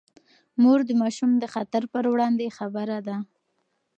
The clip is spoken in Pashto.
مور د ماشوم د خطر پر وړاندې خبرده ده.